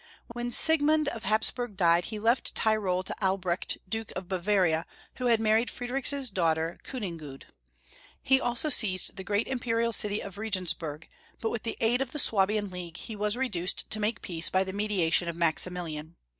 When Siegmund of Hapsburg died he left Tyrol to Albrecht, Duke of Bavaria, who had married Friedrich's daughter, Kunigunde. He also seized the great imperial city of Regensburg, but with the aid of the Swabian League he was reduced to make peace by the mediation of Maximilian.